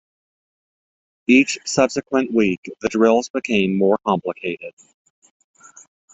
Each subsequent week, the drills became more complicated.